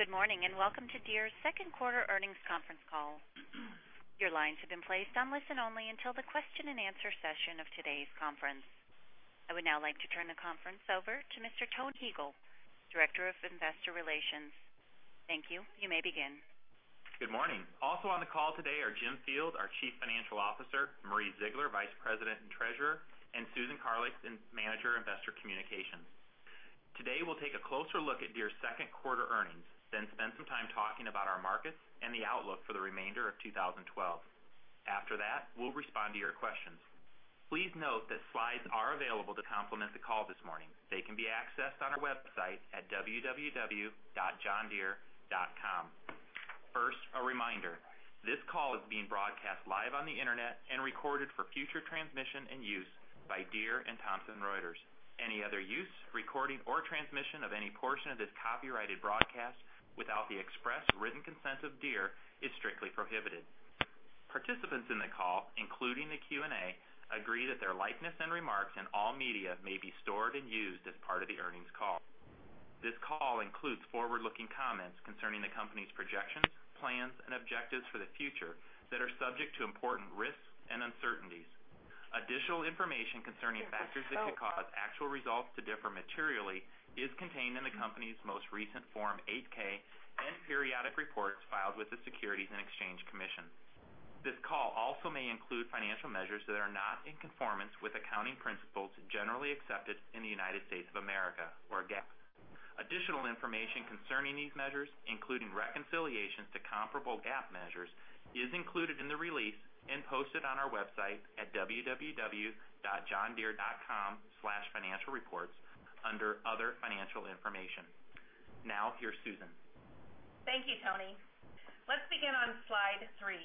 Good morning, and welcome to Deere's second quarter earnings conference call. Your lines have been placed on listen-only until the question and answer session of today's conference. I would now like to turn the conference over to Mr. Tony Huegel, Director of Investor Relations. Thank you. You may begin. Good morning. Also on the call today are Jim Field, our Chief Financial Officer, Marie Ziegler, Vice President and Treasurer, and Susan Carlix, Manager, Investor Communications. Today, we'll take a closer look at Deere's second quarter earnings, then spend some time talking about our markets and the outlook for the remainder of 2012. After that, we'll respond to your questions. Please note that slides are available to complement the call this morning. They can be accessed on our website at www.johndeere.com. First, a reminder. This call is being broadcast live on the internet and recorded for future transmission and use by Deere and Thomson Reuters. Any other use, recording, or transmission of any portion of this copyrighted broadcast without the express written consent of Deere is strictly prohibited. Participants in the call, including the Q&A, agree that their likeness and remarks in all media may be stored and used as part of the earnings call. This call includes forward-looking comments concerning the company's projections, plans, and objectives for the future that are subject to important risks and uncertainties. Additional information concerning factors that could cause actual results to differ materially is contained in the company's most recent Form 8-K and periodic reports filed with the Securities and Exchange Commission. This call also may include financial measures that are not in conformance with accounting principles generally accepted in the United States of America, or GAAP. Additional information concerning these measures, including reconciliations to comparable GAAP measures, is included in the release and posted on our website at www.johndeere.com/financialreports under Other Financial Information. Now, here's Susan. Thank you, Tony. Let's begin on slide three.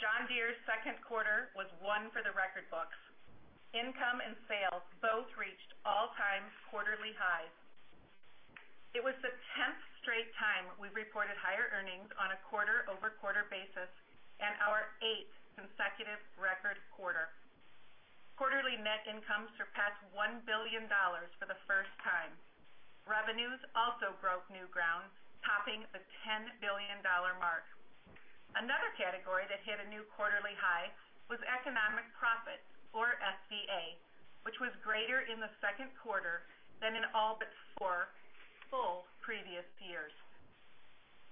John Deere's second quarter was one for the record books. Income and sales both reached all-time quarterly highs. It was the 10th straight time we've reported higher earnings on a quarter-over-quarter basis and our eighth consecutive record quarter. Quarterly net income surpassed $1 billion for the first time. Revenues also broke new ground, topping the $10 billion mark. Another category that hit a new quarterly high was economic profit, or SVA, which was greater in the second quarter than in all but four full previous years.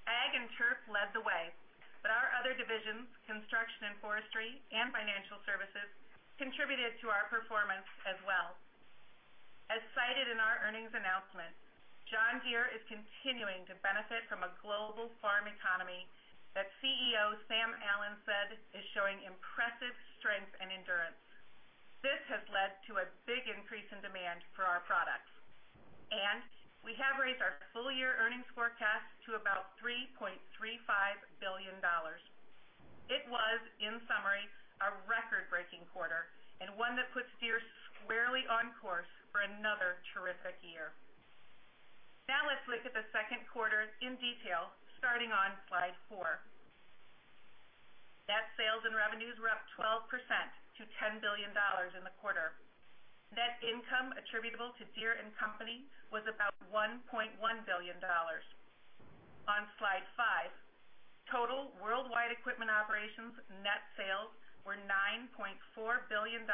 Ag and Turf led the way, but our other divisions, Construction and Forestry, and Financial Services, contributed to our performance as well. As cited in our earnings announcement, John Deere is continuing to benefit from a global farm economy that CEO Sam Allen said is showing impressive strength and endurance. This has led to a big increase in demand for our products. We have raised our full-year earnings forecast to about $3.35 billion. It was, in summary, a record-breaking quarter, and one that puts Deere squarely on course for another terrific year. Let's look at the second quarter in detail, starting on slide four. Net sales and revenues were up 12% to $10 billion in the quarter. Net income attributable to Deere & Company was about $1.1 billion. On slide five, total worldwide equipment operations net sales were $9.4 billion,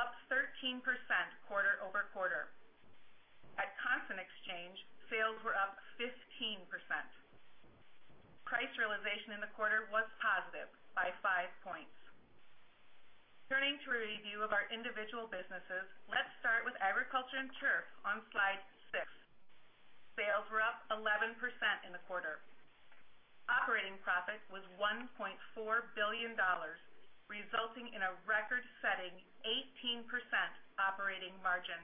up 13% quarter-over-quarter. At constant exchange, sales were up 15%. Price realization in the quarter was positive by five points. Turning to a review of our individual businesses, let's start with Agriculture and Turf on Slide six. Sales were up 11% in the quarter. Operating profit was $1.4 billion, resulting in a record-setting 18% operating margin.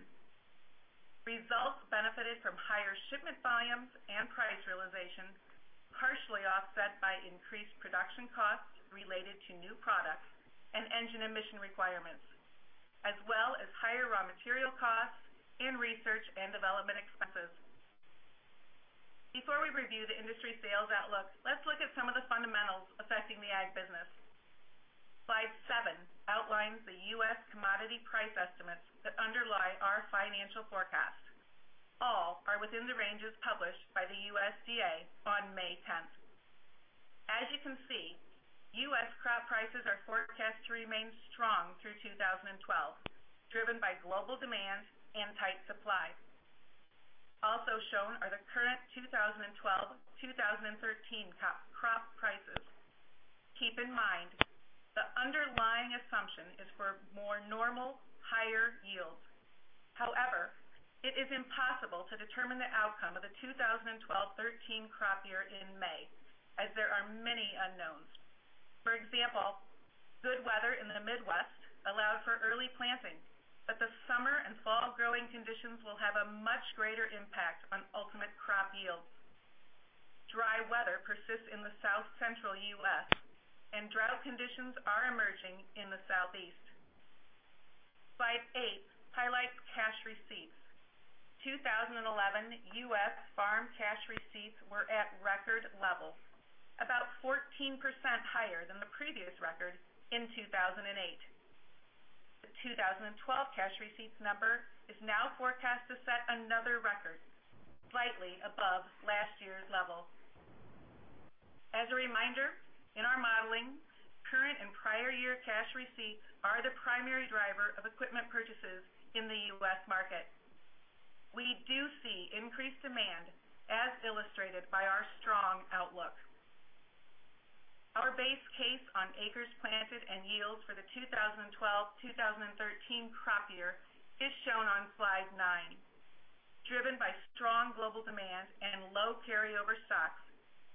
Results benefited from higher shipment volumes and price realizations, partially offset by increased production costs related to new products and engine emission requirements, as well as higher raw material costs and research and development expenses. Before we review the industry sales outlook, let's look at some of the fundamentals affecting the ag business. Slide seven outlines the U.S. commodity price estimates that underlie our financial forecasts. All are within the ranges published by the USDA on May 10th. As you can see, U.S. crop prices are forecast to remain strong through 2012, driven by global demand and tight supply. Also shown are the current 2012-2013 crop prices. Keep in mind, the underlying assumption is for more normal, higher yields. However, it is impossible to determine the outcome of the 2012-13 crop year in May, as there are many unknowns. For example, good weather in the Midwest allowed for early planting, but the summer and fall growing conditions will have a much greater impact on ultimate crop yields. Dry weather persists in the South Central U.S., and drought conditions are emerging in the Southeast. Slide eight highlights cash receipts. 2011 U.S. farm cash receipts were at record levels, about 14% higher than the previous record in 2008. The 2012 cash receipts number is now forecast to set another record, slightly above last year's level. As a reminder, in our modeling, current and prior year cash receipts are the primary driver of equipment purchases in the U.S. market. We do see increased demand, as illustrated by our strong outlook. Our base case on acres planted and yields for the 2012-2013 crop year is shown on slide nine. Driven by strong global demand and low carryover stocks,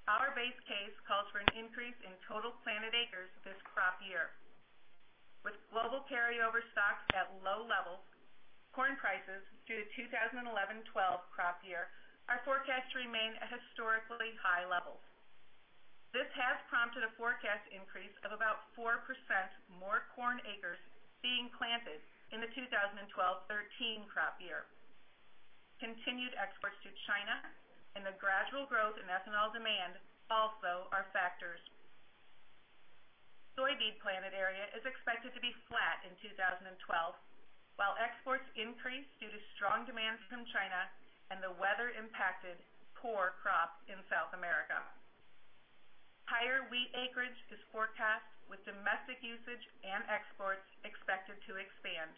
our base case calls for an increase in total planted acres this crop year. With global carryover stocks at low levels, corn prices due to 2011-2012 crop year, our forecasts remain at historically high levels. This has prompted a forecast increase of about 4% more corn acres being planted in the 2012-2013 crop year. Continued exports to China and the gradual growth in ethanol demand also are factors. Soybean planted area is expected to be flat in 2012, while exports increase due to strong demand from China and the weather-impacted poor crop in South America. Higher wheat acreage is forecast with domestic usage and exports expected to expand.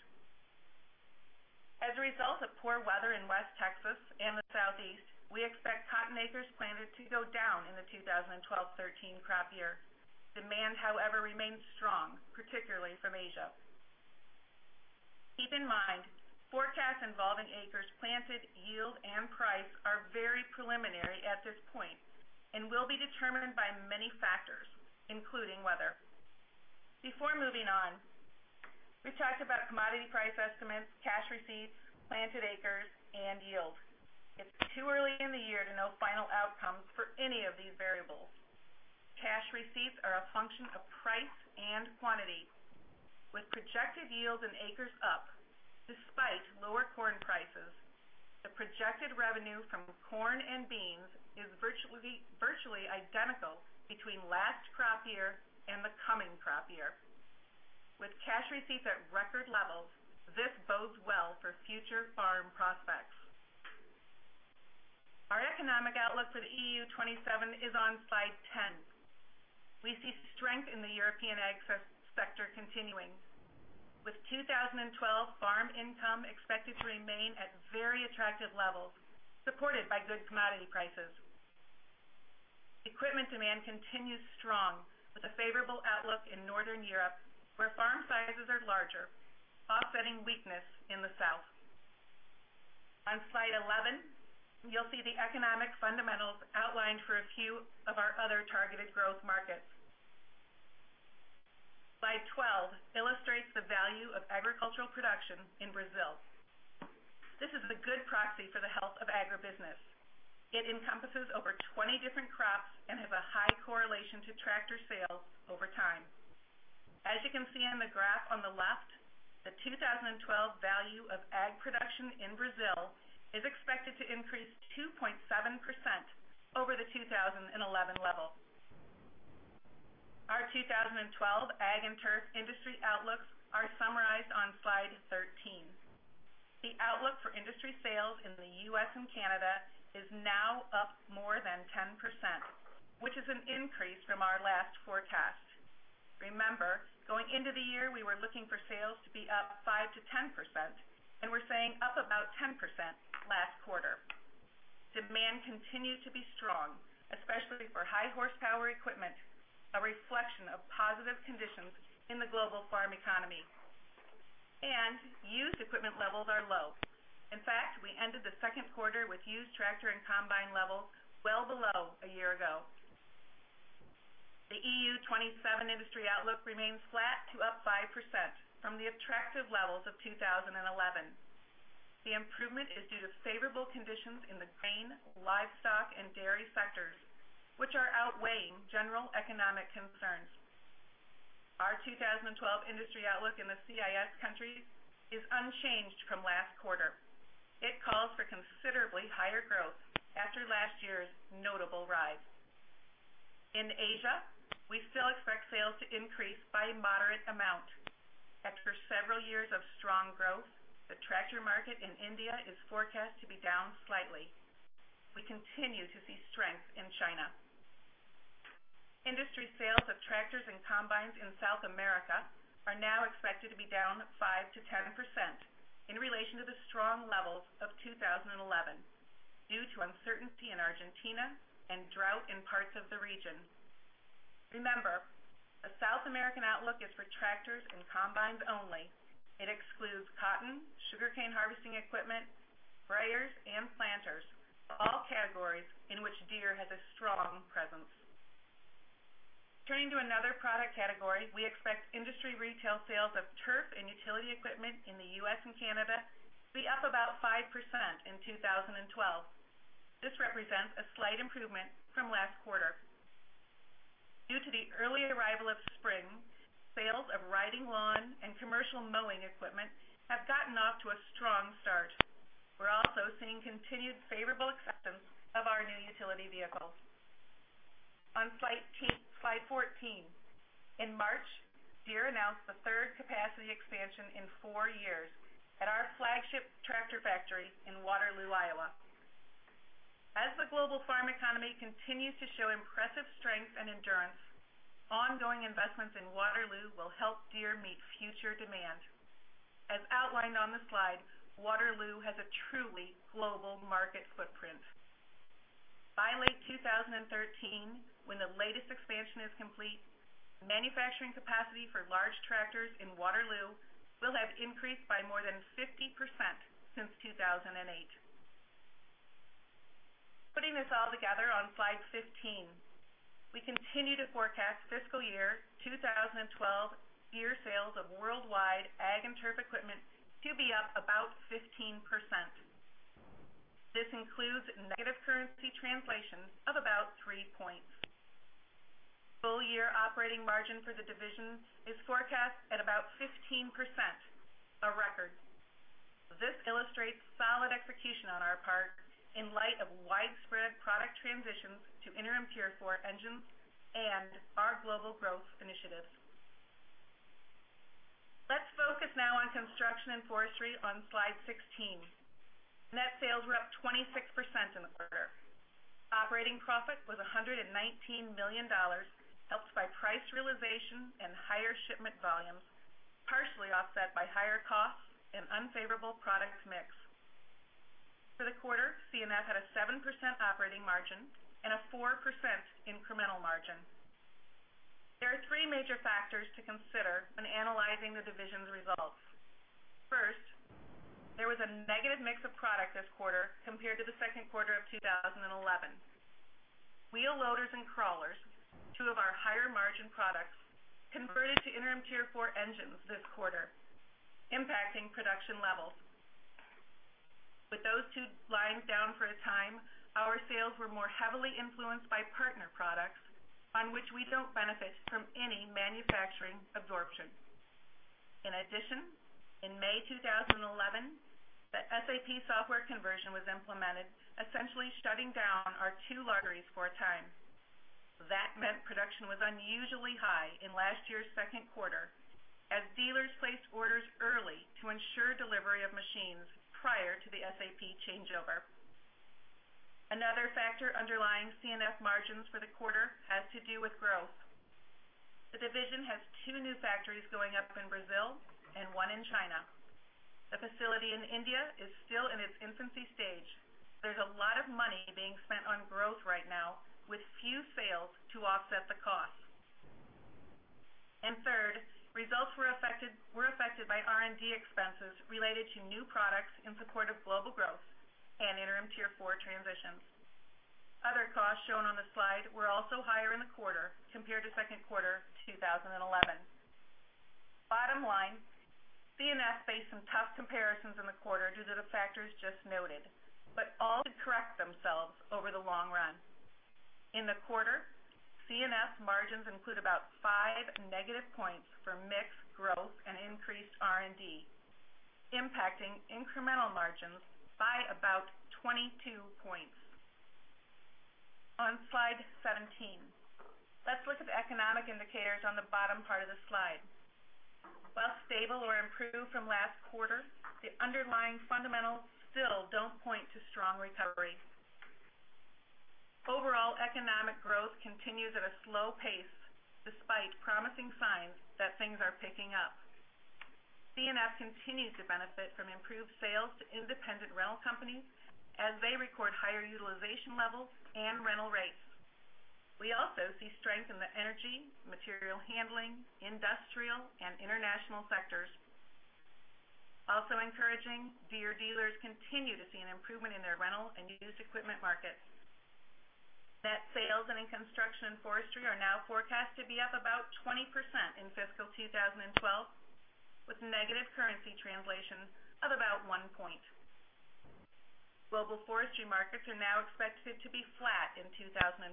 As a result of poor weather in West Texas and the Southeast, we expect cotton acres planted to go down in the 2012-2013 crop year. Demand, however, remains strong, particularly from Asia. Keep in mind, forecasts involving acres planted, yield, and price are very preliminary at this point and will be determined by many factors, including weather. Before moving on, we talked about commodity price estimates, cash receipts, planted acres, and yield. It's too early in the year to know final outcomes for any of these variables. Cash receipts are a function of price and quantity. With projected yields and acres up, despite lower corn prices, the projected revenue from corn and beans is virtually identical between last crop year and the coming crop year. With cash receipts at record levels, this bodes well for future farm prospects. Our economic outlook for the EU 27 is on slide 10. We see strength in the European ag sector continuing, with 2012 farm income expected to remain at very attractive levels, supported by good commodity prices. Equipment demand continues strong with a favorable outlook in Northern Europe, where farm sizes are larger, offsetting weakness in the south. On slide 11, you'll see the economic fundamentals outlined for a few of our other targeted growth markets. Slide 12 illustrates the value of agricultural production in Brazil. This is a good proxy for the health of agribusiness. It encompasses over 20 different crops and has a high correlation to Tractor sales over time. As you can see on the graph on the left, the 2012 value of ag production in Brazil is expected to increase 2.7% over the 2011 level. Our 2012 Agriculture and Turf industry outlooks are summarized on slide 13. The outlook for industry sales in the U.S. and Canada is now up more than 10%, which is an increase from our last forecast. Remember, going into the year, we were looking for sales to be up 5%-10%, and we're saying up about 10% last quarter. Demand continued to be strong, especially for high horsepower equipment, a reflection of positive conditions in the global farm economy. Used equipment levels are low. In fact, we ended the second quarter with used Tractor and Combine levels well below a year ago. The EU 27 industry outlook remains flat to up 5% from the attractive levels of 2011. The improvement is due to favorable conditions in the grain, livestock, and dairy sectors, which are outweighing general economic concerns. Our 2012 industry outlook in the CIS countries is unchanged from last quarter. It calls for considerably higher growth after last year's notable rise. In Asia, we still expect sales to increase by a moderate amount. After several years of strong growth, the Tractor market in India is forecast to be down slightly. We continue to see strength in China. Industry sales of Tractors and Combines in South America are now expected to be down 5%-10% in relation to the strong levels of 2011 due to uncertainty in Argentina and drought in parts of the region. Remember, the South American outlook is for Tractors and Combines only. It excludes cotton, sugarcane harvesting equipment, Sprayers, and planters, all categories in which Deere has a strong presence. Turning to another product category, we expect industry retail sales of turf and utility equipment in the U.S. and Canada to be up about 5% in 2012. This represents a slight improvement from last quarter. Due to the early arrival of spring, sales of riding lawn and commercial mowing equipment have gotten off to a strong start. We're seeing continued favorable acceptance of our new utility vehicles. On slide 14, in March, Deere announced the third capacity expansion in four years at our flagship Tractor factory in Waterloo, Iowa. As the global farm economy continues to show impressive strength and endurance, ongoing investments in Waterloo will help Deere meet future demand. As outlined on the slide, Waterloo has a truly global market footprint. By late 2013, when the latest expansion is complete, manufacturing capacity for large Tractors in Waterloo will have increased by more than 50% since 2008. Putting this all together on slide 15, we continue to forecast fiscal year 2012 Deere sales of worldwide Agriculture and Turf equipment to be up about 15%. This includes negative currency translations of about three points. Full-year operating margin for the division is forecast at about 15%, a record. This illustrates solid execution on our part in light of widespread product transitions to Interim Tier 4 engines and our global growth initiatives. Let's focus now on Construction and Forestry on slide 16. Net sales were up 26% in the quarter. Operating profit was $119 million, helped by price realization and higher shipment volumes, partially offset by higher costs and unfavorable product mix. For the quarter, C&F had a 7% operating margin and a 4% incremental margin. There are three major factors to consider when analyzing the division's results. First, there was a negative mix of product this quarter compared to the second quarter of 2011. Wheel loaders and Crawlers, two of our higher-margin products, converted to Interim Tier 4 engines this quarter, impacting production levels. With those two lines down for a time, our sales were more heavily influenced by partner products on which we don't benefit from any manufacturing absorption. In addition, in May 2011, the SAP software conversion was implemented, essentially shutting down our two factories for a time. That meant production was unusually high in last year's second quarter as dealers placed orders early to ensure delivery of machines prior to the SAP changeover. Another factor underlying C&F margins for the quarter has to do with growth. The division has two new factories going up in Brazil and one in China. The facility in India is still in its infancy stage. There's a lot of money being spent on growth right now with few sales to offset the cost. Third, results were affected by R&D expenses related to new products in support of global growth and Interim Tier 4 transitions. Other costs shown on the slide were also higher in the quarter compared to second quarter 2011. Bottom line, C&F faced some tough comparisons in the quarter due to the factors just noted, but all should correct themselves over the long run. In the quarter, C&F margins include about five negative points for mix growth and increased R&D, impacting incremental margins by about 22 points. On slide 17, let's look at the economic indicators on the bottom part of the slide. While stable or improved from last quarter, the underlying fundamentals still don't point to strong recovery. Overall economic growth continues at a slow pace despite promising signs that things are picking up. C&F continues to benefit from improved sales to independent rental companies as they record higher utilization levels and rental rates. We also see strength in the energy, material handling, industrial, and international sectors. Also encouraging, Deere dealers continue to see an improvement in their rental and used equipment markets. Net sales in Construction and Forestry are now forecast to be up about 20% in fiscal 2012 with negative currency translation of about one point. Global forestry markets are now expected to be flat in 2012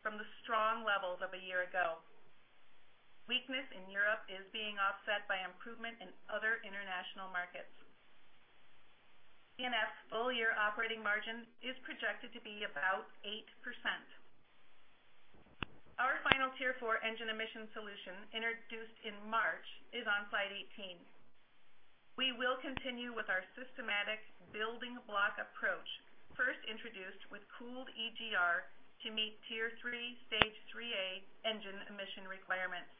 from the strong levels of a year ago. Weakness in Europe is being offset by improvement in other international markets. C&F's full-year operating margin is projected to be about 8%. Our Final Tier 4 engine emission solution introduced in March is on slide 18. We will continue with our systematic building block approach first introduced with cooled EGR to meet Tier 3, Stage IIIA engine emission requirements.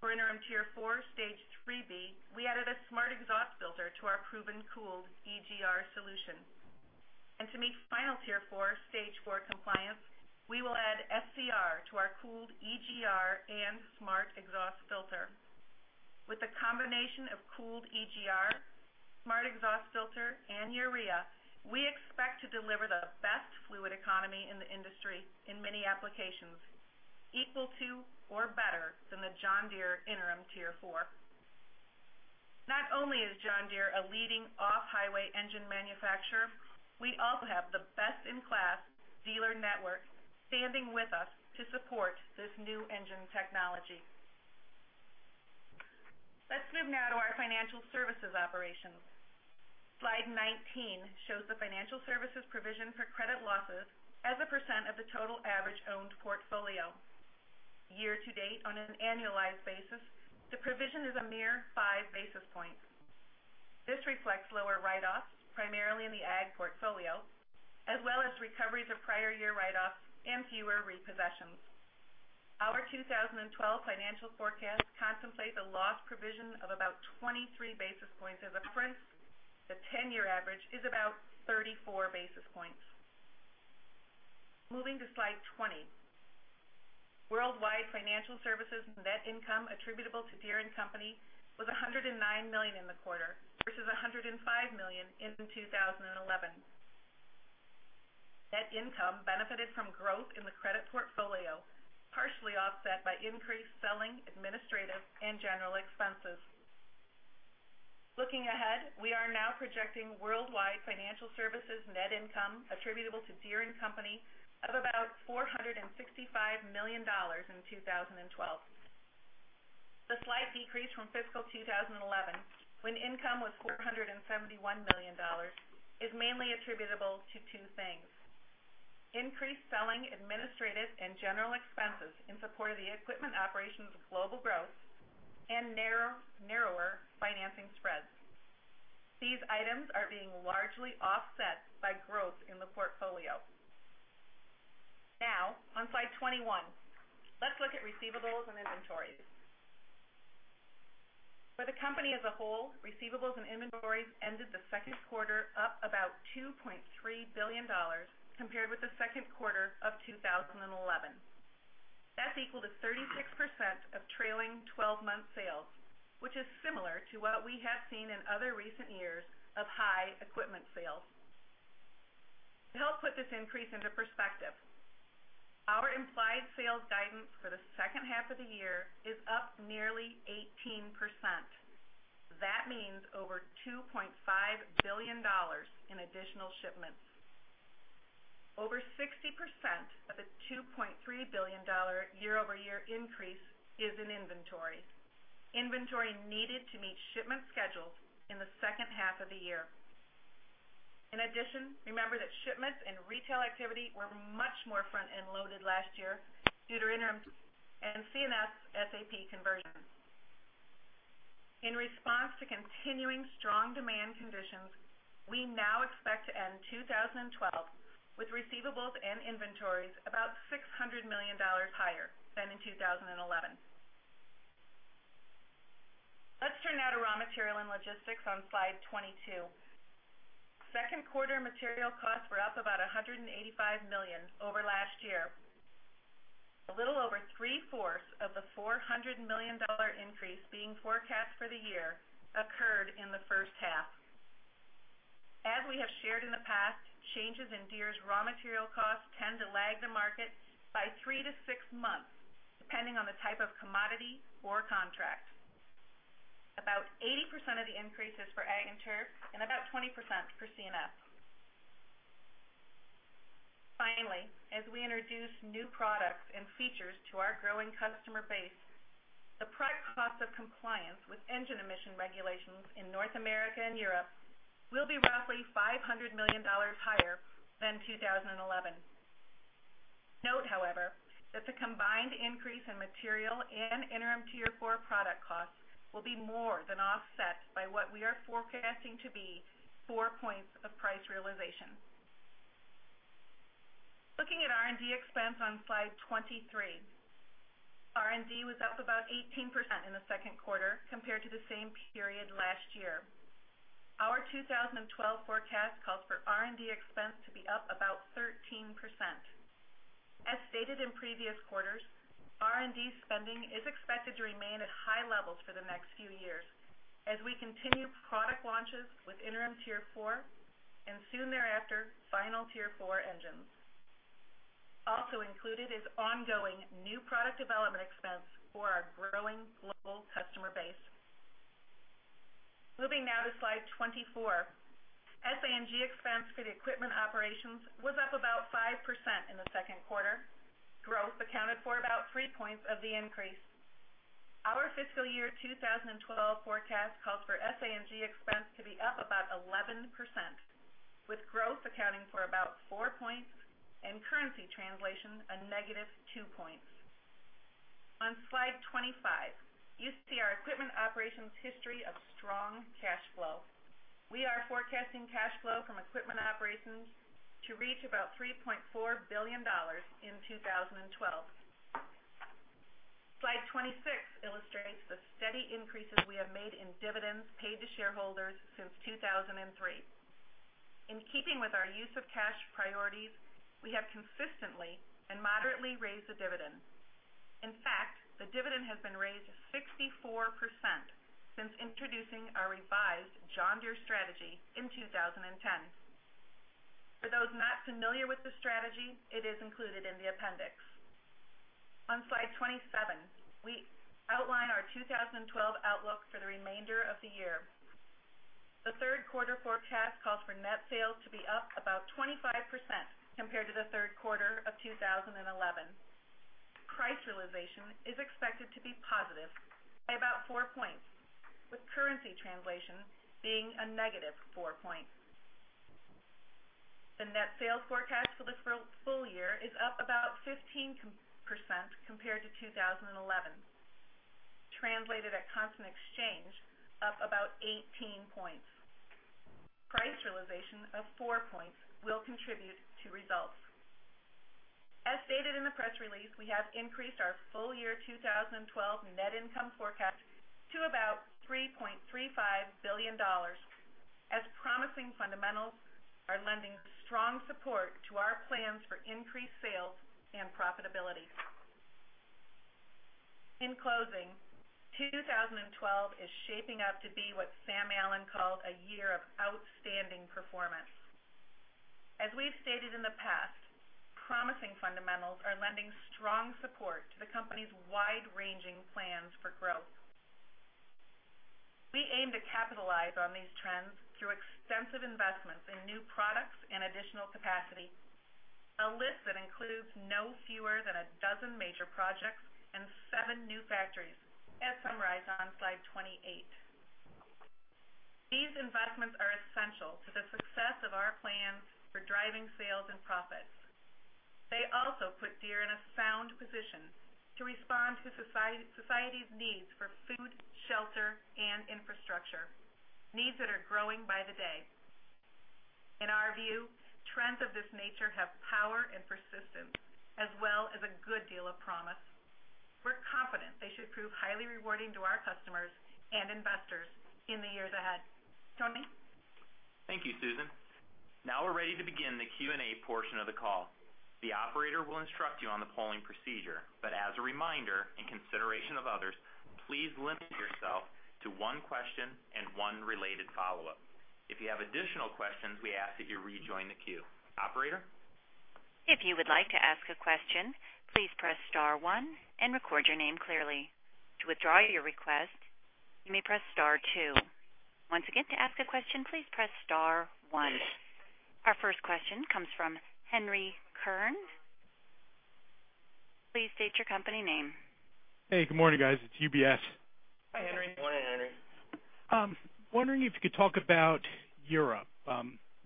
For Interim Tier 4, Stage IIIB, we added a Smart Exhaust Filter to our proven cooled EGR solution. To meet Final Tier 4, Stage IV compliance, we will add SCR to our cooled EGR and Smart Exhaust Filter. With the combination of cooled EGR, Smart Exhaust Filter, and urea, we expect to deliver the best fluid economy in the industry in many applications, equal to or better than the John Deere Interim Tier 4. Not only is John Deere a leading off-highway engine manufacturer, we also have the best-in-class dealer network standing with us to support this new engine technology. Let's move now to our financial services operations. Slide 19 shows the financial services provision for credit losses as a percent of the total average owned portfolio. Year-to-date on an annualized basis, the provision is a mere five basis points. This reflects lower write-offs, primarily in the ag portfolio, as well as recoveries of prior year write-offs and fewer repossessions. Our 2012 financial forecast contemplates a loss provision of about 23 basis points. As a reference, the 10-year average is about 34 basis points. Moving to slide 20. Worldwide financial services net income attributable to Deere & Company was $109 million in the quarter versus $105 million in 2011. Net income benefited from growth in the credit portfolio, partially offset by increased selling, administrative, and general expenses. Looking ahead, we are now projecting worldwide financial services net income attributable to Deere & Company of about $465 million in 2012. The slight decrease from fiscal 2011, when income was $471 million, is mainly attributable to two things. Increased selling, administrative, and general expenses in support of the equipment operations global growth and narrower financing spreads. These items are being largely offset by growth in the portfolio. On slide 21, let's look at receivables and inventories. For the company as a whole, receivables and inventories ended the second quarter up about $2.3 billion compared with the second quarter of 2011. That's equal to 36% of trailing 12-month sales, which is similar to what we have seen in other recent years of high equipment sales. To help put this increase into perspective, our implied sales guidance for the second half of the year is up nearly 18%. That means over $2.5 billion in additional shipments. Over 60% of the $2.3 billion year-over-year increase is in inventory. Inventory needed to meet shipment schedules in the second half of the year. In addition, remember that shipments and retail activity were much more front-end loaded last year due to interim and C&F's SAP conversions. In response to continuing strong demand conditions, we now expect to end 2012 with receivables and inventories about $600 million higher than in 2011. Let's turn now to raw material and logistics on slide 22. Second quarter material costs were up about $185 million over last year. A little over three-fourths of the $400 million increase being forecast for the year occurred in the first half. As we have shared in the past, changes in Deere's raw material costs tend to lag the market by 3-6 months, depending on the type of commodity or contract. About 80% of the increase is for ag and turf and about 20% for C&F. Finally, as we introduce new products and features to our growing customer base, the product cost of compliance with engine emission regulations in North America and Europe will be roughly $500 million higher than 2011. Note, however, that the combined increase in material and Interim Tier 4 product costs will be more than offset by what we are forecasting to be four points of price realization. Looking at R&D expense on slide 23. R&D was up about 18% in the second quarter compared to the same period last year. Our 2012 forecast calls for R&D expense to be up about 13%. As stated in previous quarters, R&D spending is expected to remain at high levels for the next few years as we continue product launches with Interim Tier 4 and soon thereafter, Final Tier 4 engines. Also included is ongoing new product development expense for our growing global customer base. Moving now to slide 24. S&G expense for the equipment operations was up about 5% in the second quarter. Growth accounted for about three points of the increase. Our fiscal year 2012 forecast calls for S&G expense to be up about 11%, with growth accounting for about four points and currency translation a negative two points. On slide 25, you see our equipment operations history of strong cash flow. We are forecasting cash flow from equipment operations to reach about $3.4 billion in 2012. Slide 26 illustrates the steady increases we have made in dividends paid to shareholders since 2003. In keeping with our use of cash priorities, we have consistently and moderately raised the dividend. In fact, the dividend has been raised 64% since introducing our revised John Deere strategy in 2010. For those not familiar with the strategy, it is included in the appendix. On slide 27, we outline our 2012 outlook for the remainder of the year. The third quarter forecast calls for net sales to be up about 25% compared to the third quarter of 2011. Price realization is expected to be positive by about four points, with currency translation being a negative four points. The net sales forecast for the full year is up about 15% compared to 2011, translated at constant exchange, up about 18 points. Price realization of four points will contribute to results. As stated in the press release, we have increased our full-year 2012 net income forecast to about $3.35 billion, as promising fundamentals are lending strong support to our plans for increased sales and profitability. In closing, 2012 is shaping up to be what Sam Allen called a year of outstanding performance. As we've stated in the past, promising fundamentals are lending strong support to the company's wide-ranging plans for growth. We aim to capitalize on these trends through extensive investments in new products and additional capacity. A list that includes no fewer than 12 major projects and seven new factories, as summarized on slide 28. These investments are essential to the success of our plans for driving sales and profits. They also put Deere in a sound position to respond to society's needs for food, shelter, and infrastructure, needs that are growing by the day. In our view, trends of this nature have power and persistence, as well as a good deal of promise. We're confident they should prove highly rewarding to our customers and investors in the years ahead. Tony? Thank you, Susan. We're ready to begin the Q&A portion of the call. The operator will instruct you on the polling procedure, as a reminder, in consideration of others, please limit yourself to one question and one related follow-up. If you have additional questions, we ask that you rejoin the queue. Operator? If you would like to ask a question, please press star one and record your name clearly. To withdraw your request, you may press star two. Once again, to ask a question, please press star one. Our first question comes from Henry Kirn. Please state your company name. Hey, good morning, guys. It's UBS. Hi, Henry. Good morning, Henry. Wondering if you could talk about Europe,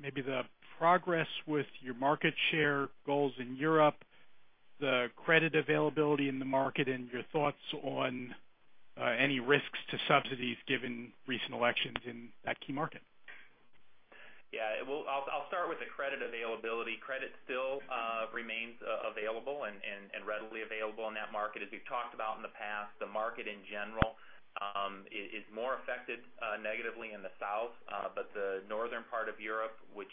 maybe the progress with your market share goals in Europe, the credit availability in the market, and your thoughts on any risks to subsidies given recent elections in that key market? Yeah. I'll start with the credit availability. Credit still remains available and readily available in that market. As we've talked about in the past, the market in general is more affected negatively in the south. The northern part of Europe, which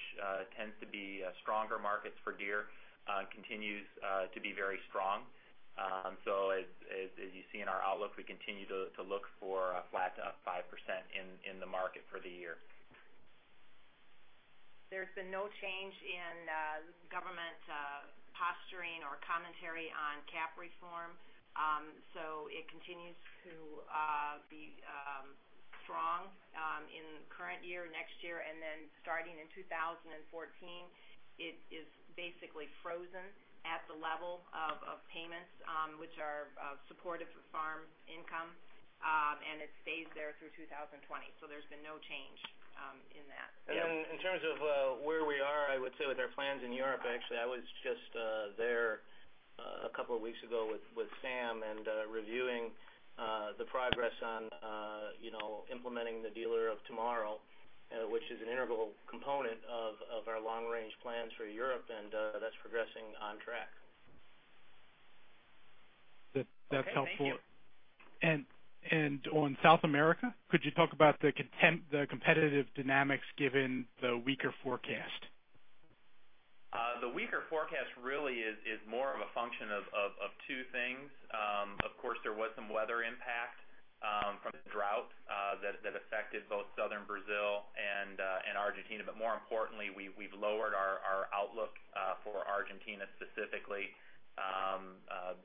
tends to be stronger markets for Deere, continues to be very strong. As you see in our outlook, we continue to look for a flat to up 5% in the market for the year. There's been no change in government posturing or commentary on CAP reform. It continues to be strong in current year, next year, then starting in 2014, it is basically frozen at the level of payments, which are supportive for farm income. It stays there through 2020. There's been no change in that. Then in terms of where we are, I would say with our plans in Europe, actually, I was just there a couple of weeks ago with Sam and reviewing the progress on implementing the Dealer of Tomorrow, which is an integral component of our long-range plans for Europe, that's progressing on track. That's helpful. Okay, thank you. On South America, could you talk about the competitive dynamics given the weaker forecast? The weaker forecast really is more of a function of two things. Of course, there was some weather impact from the drought that affected both southern Brazil and Argentina. More importantly, we've lowered our outlook for Argentina specifically,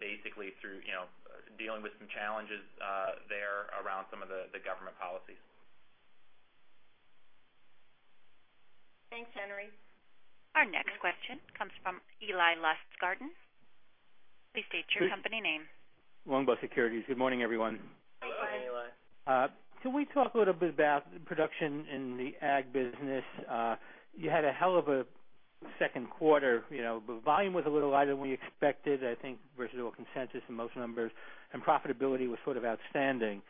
basically through dealing with some challenges there around some of the government policies. Thanks, Henry. Our next question comes from Eli Lustgarten. Please state your company name. Longbow Securities. Good morning, everyone. Hi, Eli. Hey, Eli. Can we talk a little bit about production in the ag business? You had a hell of a second quarter. Volume was a little higher than we expected, I think, versus all consensus and most numbers, and profitability was sort of outstanding.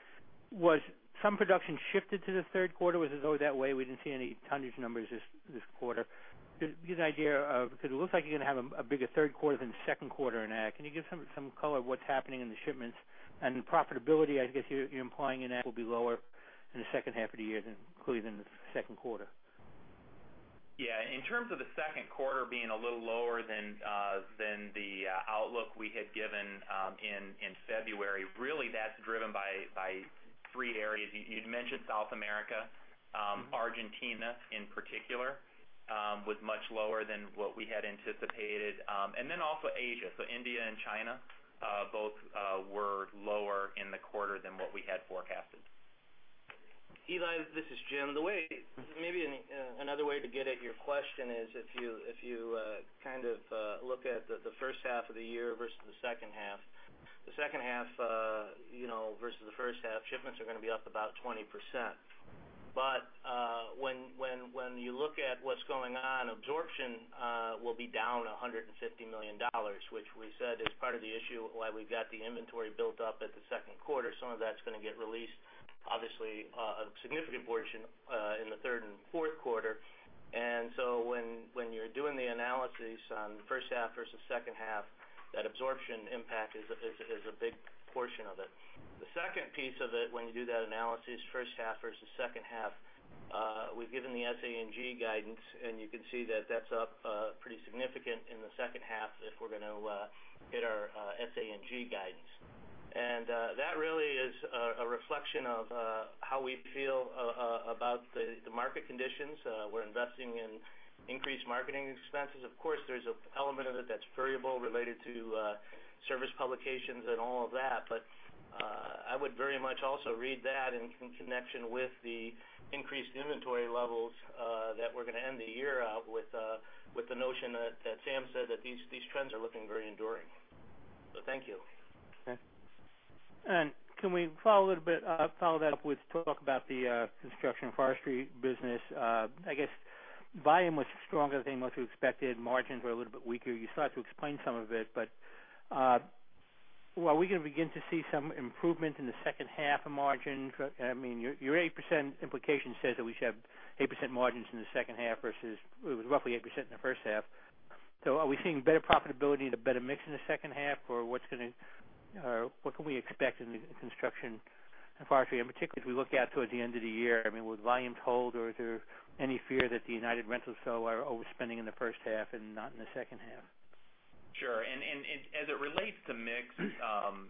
Was some production shifted to the third quarter? Was it always that way? We didn't see any tonnage numbers this quarter. Give us an idea of, because it looks like you're going to have a bigger third quarter than the second quarter in ag. Can you give some color of what's happening in the shipments? Profitability, I guess you're implying in ag will be lower in the second half of the year than clearly than the second quarter. Yeah. In terms of the second quarter being a little lower than the outlook we had given in February, really that's driven by three areas. You'd mentioned South America. Argentina, in particular, was much lower than what we had anticipated. Also Asia. India and China both were lower in the quarter than what we had forecasted. Eli, this is Jim. Maybe another way to get at your question is if you look at the first half of the year versus the second half. The second half versus the first half, shipments are going to be up about 20%. But when you look at what's going on, absorption will be down $150 million, which we said is part of the issue why we've got the inventory built up at the second quarter. Some of that's going to get released, obviously, a significant portion, in the third and fourth quarter. When you're doing the analysis on first half versus second half, that absorption impact is a big portion of it. The second piece of it when you do that analysis, first half versus second half, we've given the SG&A guidance, and you can see that that's up pretty significant in the second half if we're going to hit our SG&A guidance. That really is a reflection of how we feel about the market conditions. We're investing in increased marketing expenses. Of course, there's an element of it that's variable related to service publications and all of that. I would very much also read that in connection with the increased inventory levels, that we're going to end the year out with the notion that Sam said that these trends are looking very enduring. Thank you. Okay. Can we follow that up with talk about the Construction and Forestry business? I guess volume was stronger than what you expected. Margins were a little bit weaker. You started to explain some of it, but are we going to begin to see some improvement in the second half of margins? Your 8% implication says that we should have 8% margins in the second half versus roughly 8% in the first half. Are we seeing better profitability and a better mix in the second half, or what can we expect in the Construction and Forestry? Particularly as we look out towards the end of the year, will volumes hold or is there any fear that the United Rentals fellow are overspending in the first half and not in the second half? Sure. As it relates to mix,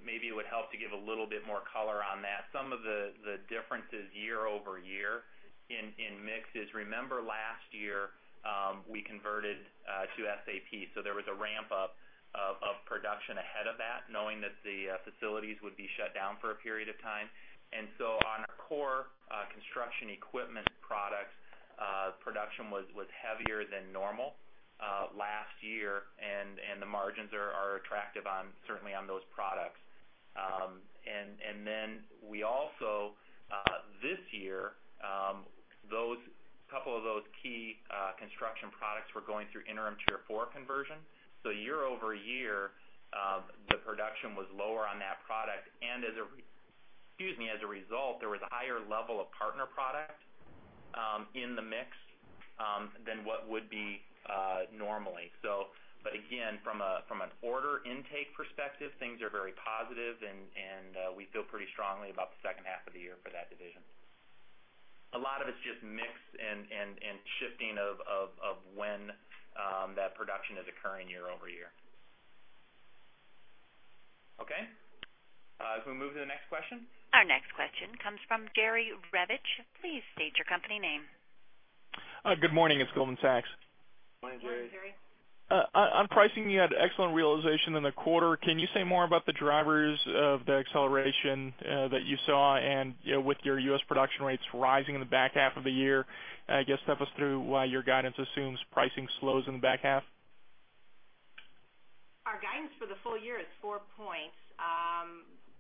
maybe it would help to give a little bit more color on that. Some of the differences year-over-year in mix is, remember last year, we converted to SAP, so there was a ramp-up of production ahead of that, knowing that the facilities would be shut down for a period of time. On our core construction equipment products, production was heavier than normal last year, and the margins are attractive certainly on those products. We also, this year, a couple of those key construction products were going through Interim Tier 4 conversion. Year-over-year, the production was lower on that product, and as a result, there was a higher level of partner product in the mix than what would be normally. Again, from an order intake perspective, things are very positive, and we feel pretty strongly about the second half of the year for that division. A lot of it's just mix and shifting of when that production is occurring year-over-year. Okay. Can we move to the next question? Our next question comes from Gary Rebbich. Please state your company name. Good morning. It's Goldman Sachs. Morning, Gary. Morning, Gary. On pricing, you had excellent realization in the quarter. Can you say more about the drivers of the acceleration that you saw and with your U.S. production rates rising in the back half of the year? I guess step us through why your guidance assumes pricing slows in the back half. Our guidance for the full year is four points.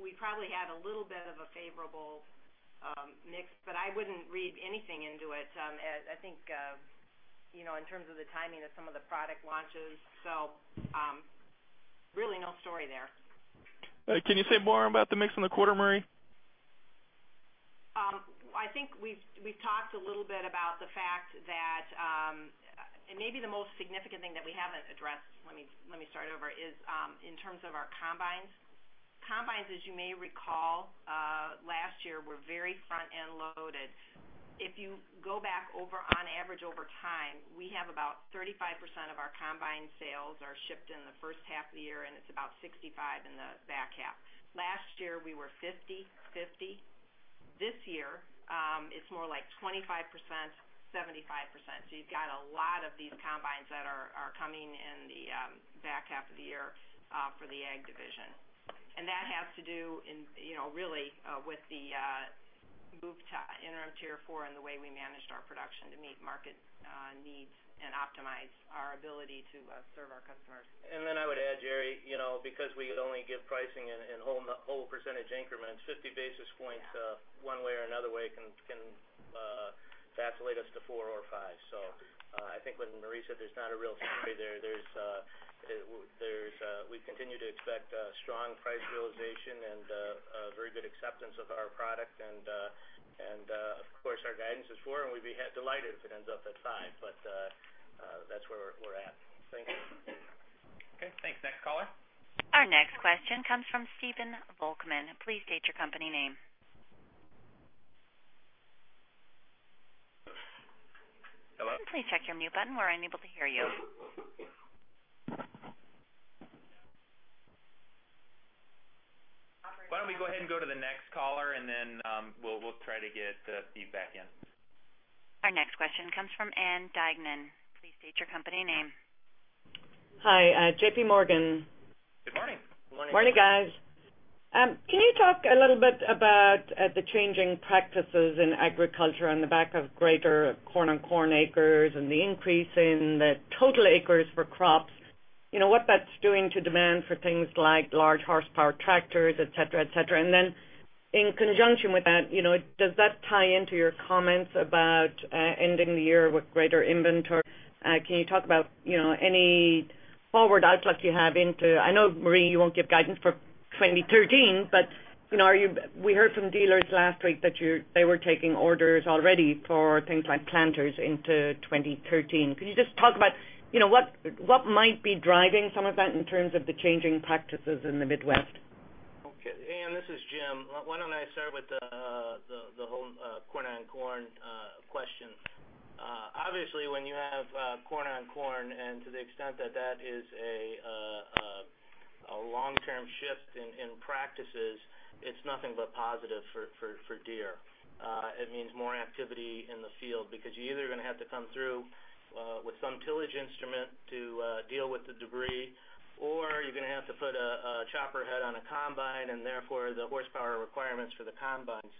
We probably had a little bit of a favorable mix. I wouldn't read anything into it. I think in terms of the timing of some of the product launches. Really no story there. Can you say more about the mix in the quarter, Marie? I think we've talked a little bit about the fact that maybe the most significant thing that we haven't addressed, let me start over, is in terms of our Combines. Combines, as you may recall, last year were very front-end loaded. If you go back over on average over time, we have about 35% of our Combine sales are shipped in the first half of the year, and it's about 65% in the back half. Last year, we were 50%-50%. This year, it's more like 25%-75%. You've got a lot of these Combines that are coming in the back half of the year for the Ag division. That has to do really with the move to Interim Tier 4 and the way we managed our production to meet market needs and optimize our ability to serve our customers. Then I would add, Gary, because we only give pricing in whole percentage increments, 50 basis points one way or another way can vacillate us to 4 or 5. I think when Marie said there's not a real story there, we continue to expect strong price realization and very good acceptance of our product. Of course, our guidance is 4, and we'd be delighted if it ends up at 5. But that's where we're at. Thank you. Okay, thanks. Next caller. Our next question comes from Stephen Volkmann. Please state your company name. Hello? Please check your mute button. We're unable to hear you. Why don't we go ahead and go to the next caller and then we'll try to get Steve back in. Our next question comes from Ann Duignan. Please state your company name. Hi, J.P. Morgan. Morning, guys. Can you talk a little bit about the changing practices in agriculture on the back of greater corn on corn acres and the increase in the total acres for crops? What that's doing to demand for things like large horsepower tractors, et cetera. In conjunction with that, does that tie into your comments about ending the year with greater inventory? Can you talk about any forward outlook you have. I know, Marie, you won't give guidance for 2013, but we heard from dealers last week that they were taking orders already for things like planters into 2013. Could you just talk about what might be driving some of that in terms of the changing practices in the Midwest? Okay. Ann, this is Jim. Why don't I start with the whole corn-on-corn question. Obviously, when you have corn on corn, and to the extent that that is a long-term shift in practices, it's nothing but positive for Deere. It means more activity in the field because you're either going to have to come through with some tillage instrument to deal with the debris, or you're going to have to put a chopper head on a combine and therefore the horsepower requirements for the combines,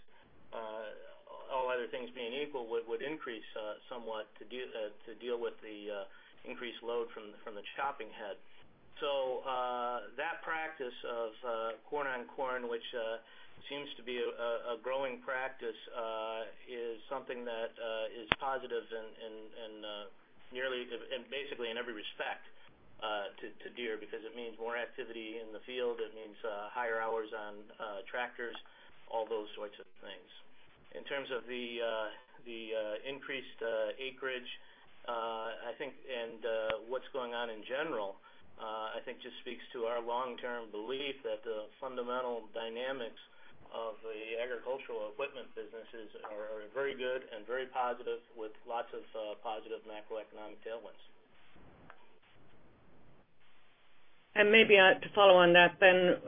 all other things being equal, would increase somewhat to deal with the increased load from the chopping head. That practice of corn on corn, which seems to be a growing practice, is something that is positive basically in every respect to Deere because it means more activity in the field. It means higher hours on tractors, all those sorts of things. In terms of the increased acreage and what's going on in general, I think just speaks to our long-term belief that the fundamental dynamics of the agricultural equipment businesses are very good and very positive with lots of positive macroeconomic tailwinds. Maybe to follow on that, the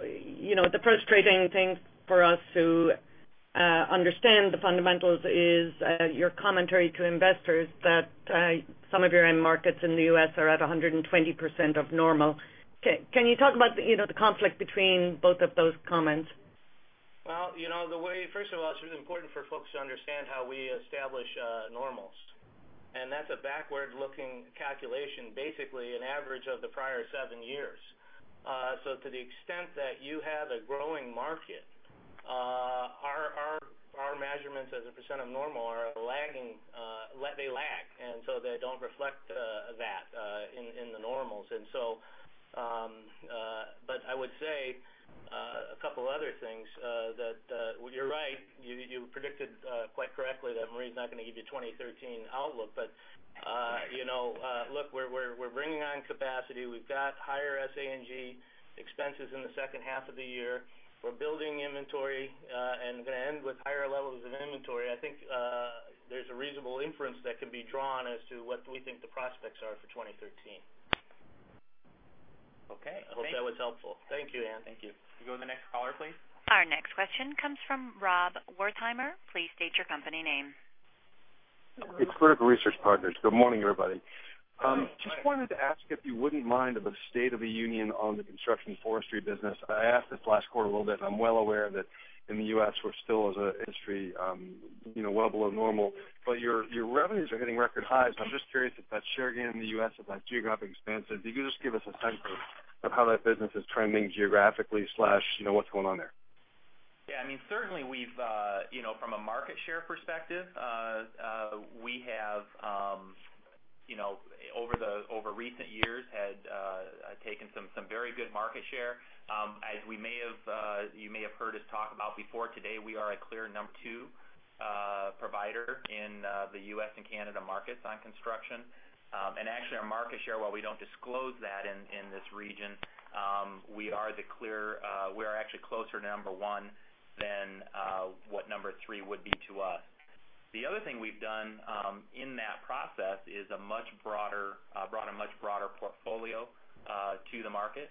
frustrating thing for us to understand the fundamentals is your commentary to investors that some of your end markets in the U.S. are at 120% of normal. Can you talk about the conflict between both of those comments? First of all, it's really important for folks to understand how we establish normals. That's a backward-looking calculation, basically an average of the prior seven years. To the extent that you have a growing market, our measurements as a % of normal are lagging. They lag. They don't reflect that in the normals. I would say a couple other things. You're right. You predicted quite correctly that Marie's not going to give you 2013 outlook. Look, we're bringing on capacity. We've got higher SG&A expenses in the second half of the year. We're building inventory and going to end with higher levels of inventory. I think there's a reasonable inference that could be drawn as to what we think the prospects are for 2013. Okay. I hope that was helpful. Thank you, Ann. Thank you. Can we go to the next caller, please? Our next question comes from Rob Wertheimer. Please state your company name. It's Vertical Research Partners. Good morning, everybody. Just wanted to ask if you wouldn't mind, of a state of the union on the Construction and Forestry business. I asked this last quarter a little bit. I'm well aware that in the U.S. we're still as an industry well below normal, but your revenues are hitting record highs, and I'm just curious if that share gain in the U.S., if that's geographic expansive. Can you just give us a sense of how that business is trending geographically/what's going on there? Yeah, certainly from a market share perspective, we have over recent years had taken some very good market share. As you may have heard us talk about before today, we are a clear number 2 provider in the U.S. and Canada markets on construction. Actually, our market share, while we don't disclose that in this region, we are actually closer to number 1 than what number 3 would be to us. The other thing we've done in that process is brought a much broader portfolio to the market.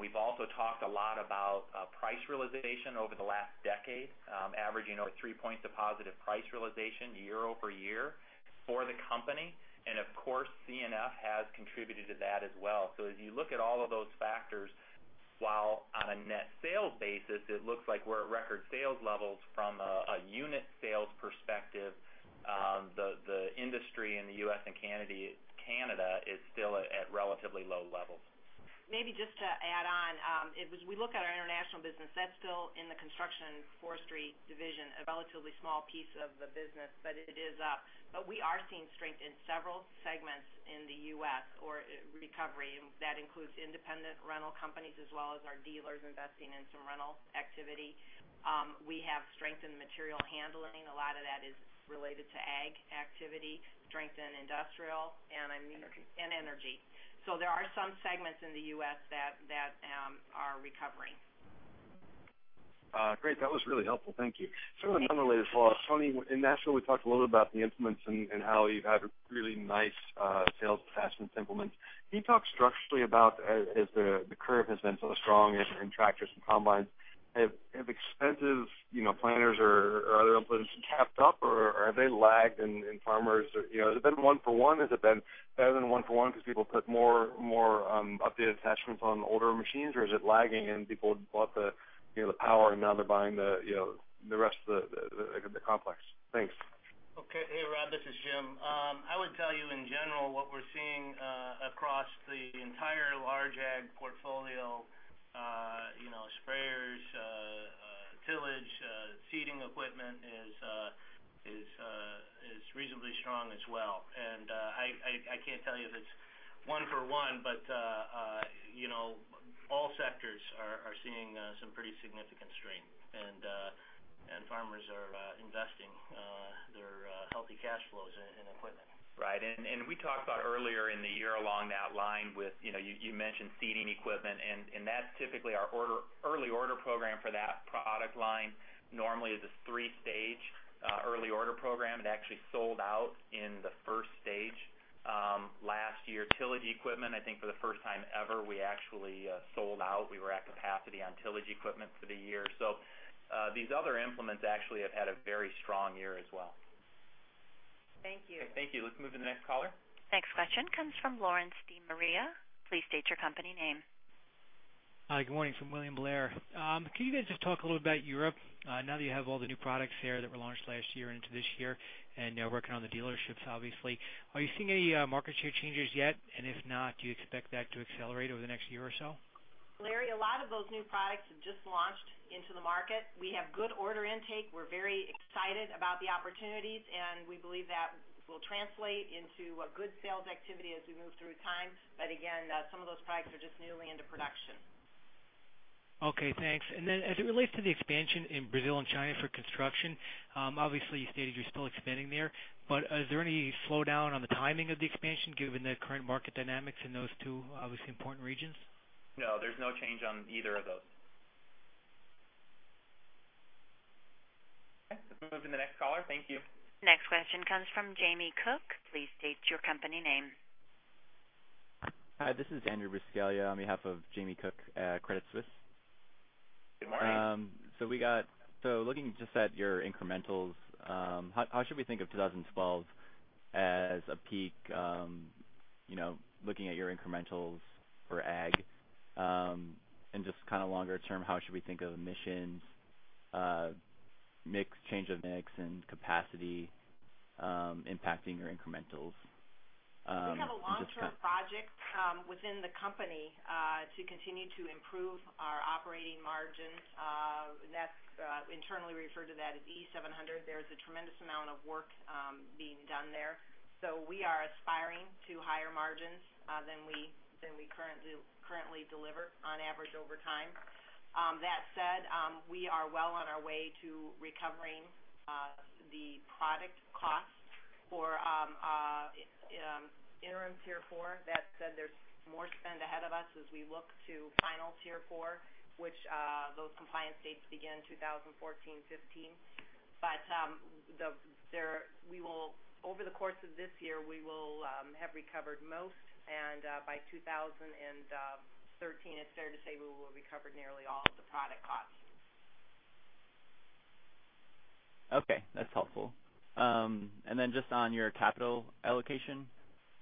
We've also talked a lot about price realization over the last decade, averaging over three points of positive price realization year-over-year for the company. Of course, C&F has contributed to that as well. As you look at all of those factors, while on a net sales basis it looks like we're at record sales levels from a unit sales perspective, the industry in the U.S. and Canada is still at relatively low levels. Maybe just to add on, as we look at our international business, that's still in the Construction and Forestry division, a relatively small piece of the business, but it is up. We are seeing strength in several segments in the U.S. or recovery, and that includes independent rental companies as well as our dealers investing in some rental activity. We have strength in material handling. A lot of that is related to ag activity, strength in industrial and energy. There are some segments in the U.S. that are recovering. Great. That was really helpful. Thank you. Sort of on a related follow-up, Tony, in Nashville, we talked a little about the implements and how you have really nice sales attachments implements. Can you talk structurally about as the curve has been so strong in Tractors and Combines, have expensive planters or other implements kept up or have they lagged in farmers? Has it been one for one? Has it been better than one for one because people put more updated attachments on older machines? Or is it lagging and people bought the power and now they're buying the rest of the complex? Thanks. Okay. Hey, Rob, this is Jim. I would tell you in general, what we're seeing across the entire large ag portfolio, Sprayers, tillage, seeding equipment, is reasonably strong as well. I can't tell you if it's one for one, but all sectors are seeing some pretty significant strength. Farmers are investing their healthy cash flows in equipment. Right. We talked about earlier in the year along that line with, you mentioned seeding equipment and that's typically our early order program for that product line. Normally is a 3-stage early order program. It actually sold out in the first stage, last year. Tillage equipment, I think for the first time ever, we actually sold out. We were at capacity on tillage equipment for the year. These other implements actually have had a very strong year as well. Thank you. Okay, thank you. Let's move to the next caller. Next question comes from Lawrence De Maria. Please state your company name. Hi. Good morning from William Blair. Can you guys just talk a little about Europe, now that you have all the new products there that were launched last year into this year, and now working on the dealerships, obviously. Are you seeing any market share changes yet? If not, do you expect that to accelerate over the next year or so? Larry, a lot of those new products have just launched into the market. We have good order intake. We're very excited about the opportunities, we believe that will translate into a good sales activity as we move through time. Again, some of those products are just newly into production. Okay, thanks. As it relates to the expansion in Brazil and China for construction, obviously you stated you're still expanding there, is there any slowdown on the timing of the expansion given the current market dynamics in those two obviously important regions? No, there's no change on either of those. Okay, let's move to the next caller. Thank you. Next question comes from Jamie Cook. Please state your company name. Hi, this is Andrew Buscaglia on behalf of Jamie Cook at Credit Suisse. Good morning. Looking just at your incrementals, how should we think of 2012 as a peak, looking at your incrementals for ag, and just kind of longer term, how should we think of emissions, change of mix and capacity impacting your incrementals? We have a long-term project within the company, to continue to improve our operating margins. Internally, we refer to that as E700. There's a tremendous amount of work being done there. We are aspiring to higher margins than we currently deliver on average over time. That said, we are well on our way to recovering the product costs for Interim Tier 4. That said, there's more spend ahead of us as we look to Final Tier 4, which those compliance dates begin 2014, 2015. Over the course of this year, we will have recovered most, and by 2013, it's fair to say we will have recovered nearly all of the product costs. Okay. That's helpful. Then just on your capital allocation,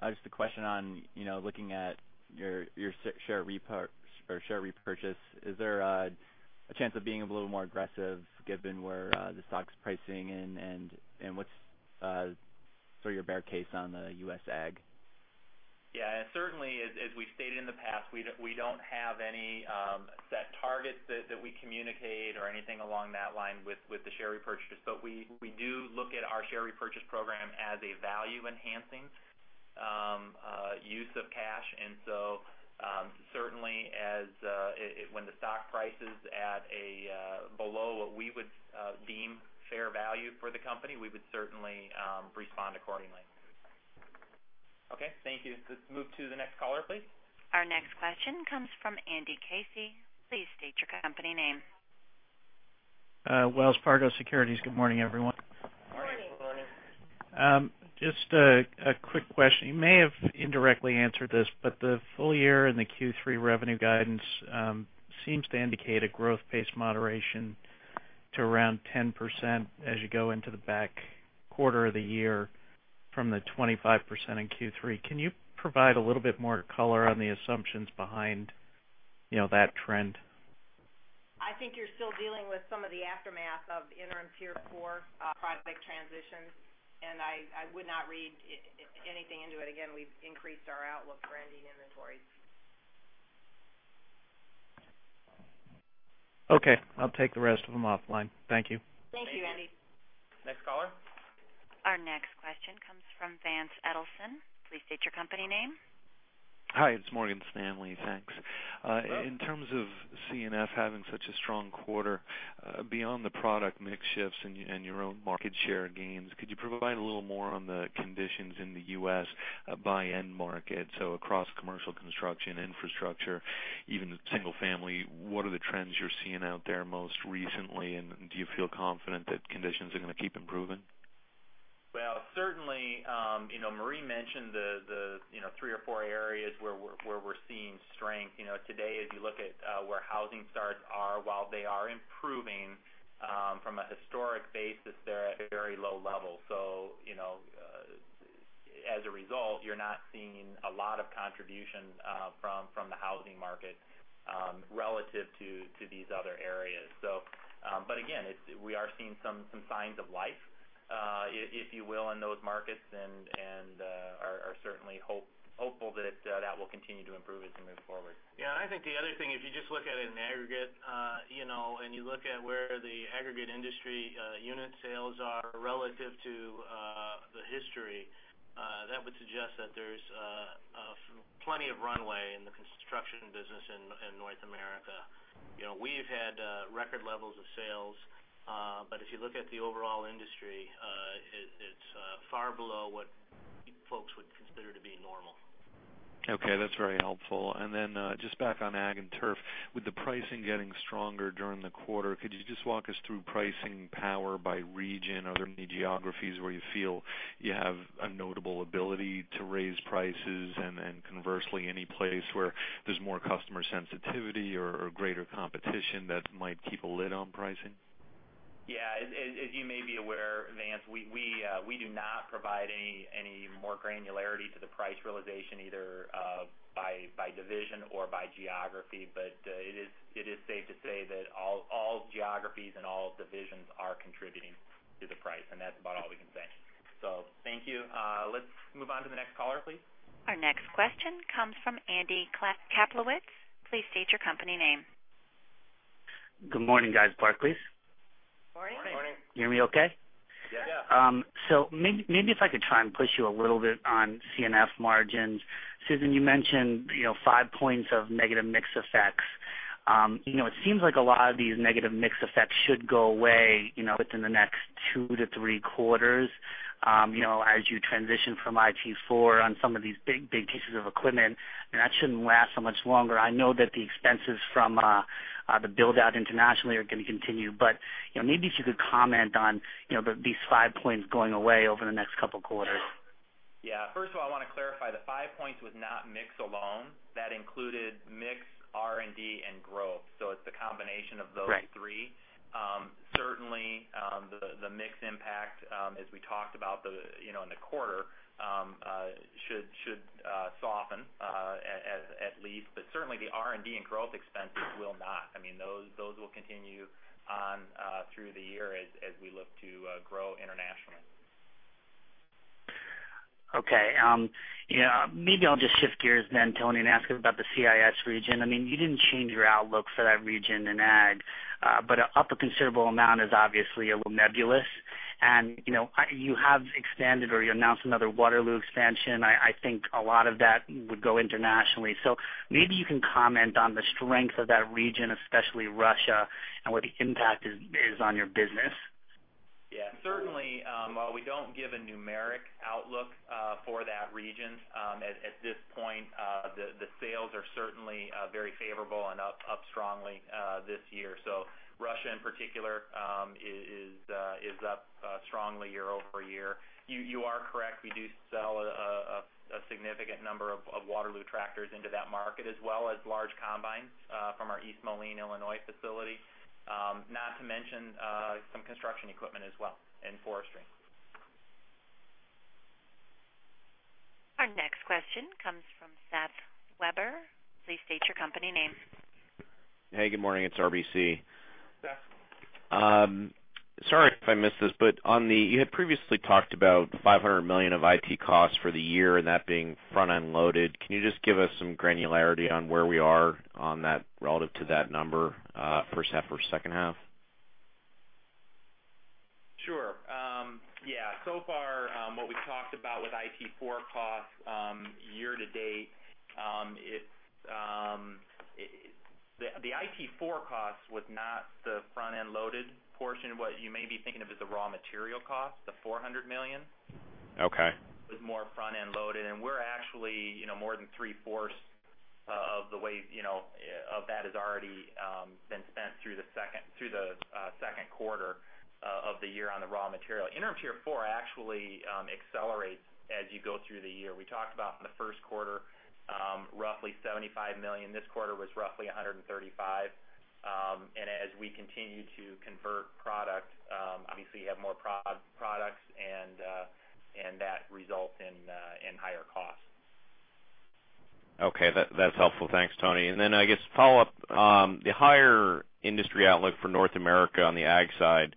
just a question on looking at your share repurchase. Is there a chance of being a little more aggressive given where the stock's pricing in and what's sort of your bear case on the U.S. ag? Yeah, certainly as we've stated in the past, we don't have any set targets that we communicate or anything along that line with the share repurchase. We do look at our share repurchase program as a value-enhancing use of cash. Certainly when the stock price is at below what we would deem fair value for the company, we would certainly respond accordingly. Okay, thank you. Let's move to the next caller, please. Our next question comes from Andrew Casey. Please state your company name. Wells Fargo Securities. Good morning, everyone. Morning. Good morning. Just a quick question. You may have indirectly answered this, the full year and the Q3 revenue guidance seems to indicate a growth pace moderation to around 10% as you go into the back quarter of the year from the 25% in Q3. Can you provide a little bit more color on the assumptions behind that trend? I think you're still dealing with some of the aftermath of the Interim Tier 4 product transitions. I would not read anything into it. Again, we've increased our outlook for ending inventories. Okay. I'll take the rest of them offline. Thank you. Thank you, Andy. Thank you. Next caller? Our next question comes from Vance Edelson. Please state your company name. Hi, it's Morgan Stanley. Thanks. In terms of C&F having such a strong quarter, beyond the product mix shifts and your own market share gains, could you provide a little more on the conditions in the U.S. buy-in market, so across commercial construction, infrastructure, even single family. What are the trends you're seeing out there most recently, and do you feel confident that conditions are going to keep improving? Well, certainly, Marie mentioned the three or four areas where we're seeing strength. Today, as you look at where housing starts are, while they are improving, from a historic basis, they're at very low levels. You know As a result, you're not seeing a lot of contribution from the housing market relative to these other areas. Again, we are seeing some signs of life, if you will, in those markets and are certainly hopeful that that will continue to improve as we move forward. Yeah. I think the other thing, if you just look at it in aggregate, you look at where the aggregate industry unit sales are relative to the history, that would suggest that there's plenty of runway in the construction business in North America. We've had record levels of sales. If you look at the overall industry, it's far below what folks would consider to be normal. Okay. That's very helpful. Just back on ag and turf, with the pricing getting stronger during the quarter, could you just walk us through pricing power by region? Are there any geographies where you feel you have a notable ability to raise prices, conversely, any place where there's more customer sensitivity or greater competition that might keep a lid on pricing? Yeah. As you may be aware, Vance, we do not provide any more granularity to the price realization, either by division or by geography. It is safe to say that all geographies and all divisions are contributing to the price, and that's about all we can say. Thank you. Let's move on to the next caller, please. Our next question comes from Andrew Kaplowitz. Please state your company name. Good morning, guys. Barclays. Morning. Morning. Can you hear me okay? Yeah. Maybe if I could try and push you a little bit on C&F margins. Susan, you mentioned 5 points of negative mix effects. It seems like a lot of these negative mix effects should go away within the next two to three quarters as you transition from IT4 on some of these big pieces of equipment. That shouldn't last so much longer. I know that the expenses from the build-out internationally are going to continue, but maybe if you could comment on these 5 points going away over the next couple of quarters. Yeah. First of all, I want to clarify, the five points was not mix alone. That included mix, R&D, and growth. It is a combination of those three. Right. Certainly, the mix impact, as we talked about in the quarter, should soften, at least. Certainly, the R&D and growth expenses will not. Those will continue on through the year as we look to grow internationally. Okay. Maybe I will just shift gears then, Tony, and ask about the CIS region. You did not change your outlook for that region in ag. Up a considerable amount is obviously a little nebulous. You have expanded or you announced another Waterloo expansion. I think a lot of that would go internationally. Maybe you can comment on the strength of that region, especially Russia, and what the impact is on your business. Yeah. Certainly, while we do not give a numeric outlook for that region at this point, the sales are certainly very favorable and up strongly this year. Russia, in particular, is up strongly year-over-year. You are correct, we do sell a significant number of Waterloo Tractors into that market, as well as large Combines from our East Moline, Illinois, facility, not to mention some construction equipment as well, and forestry. Our next question comes from Seth Weber. Please state your company name. Hey, good morning. It's RBC. Seth. Sorry if I missed this, you had previously talked about $500 million of IT costs for the year and that being front-end loaded. Can you just give us some granularity on where we are on that relative to that number, first half or second half? Sure. Yeah. So far, what we've talked about with IT4 costs year to date, the IT4 cost was not the front-end loaded portion. What you may be thinking of is the raw material cost, the $400 million. Okay. Was more front-end loaded. We're actually more than three-fourths of that has already been spent through the second quarter of the year on the raw material. Interim Tier 4 actually accelerates as you go through the year. We talked about in the first quarter, roughly $75 million. This quarter was roughly $135 million. As we continue to convert product, obviously you have more products, and that results in higher costs. Okay. That's helpful. Thanks, Tony. Then I guess follow-up, the higher industry outlook for North America on the ag side,